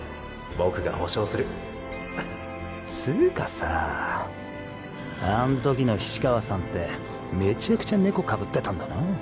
僕が保証するつうかさあんときの菱川さんってめちゃくちゃ猫被ってたんだな。